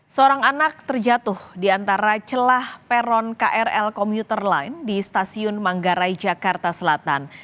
seorang anak terjatuh di antara celah peron krl komuter line di stasiun manggarai jakarta selatan